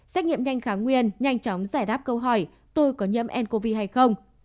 xét nghiệm nhanh kháng nguyên nhanh chóng giải đáp câu hỏi tôi có nhiễm ncov hay không